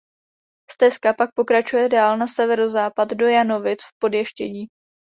Stezka pak pokračuje dál na severozápad do Janovic v Podještědí.